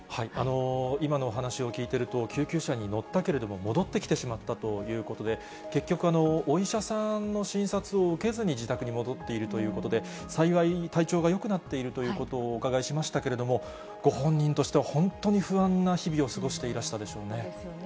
今のお話を聞いてると、救急車に乗ったけれども戻ってきてしまったということで、結局、お医者さんの診察を受けずに自宅に戻っているということで、幸い体調がよくなっているということをお伺いしましたけれども、ご本人としては本当に不安な日々を過ごしていらしたでしょうね。